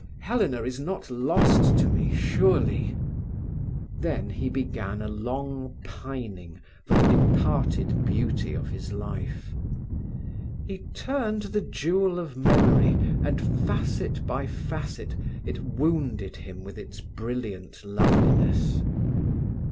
Helena is not lost to me, surely." Then he began a long pining for the departed beauty of his life. He turned the jewel of memory, and facet by facet it wounded him with its brilliant loveliness.